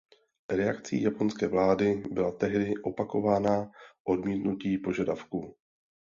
Reakcí japonské vlády byla tehdy opakovaná odmítnutí požadavků.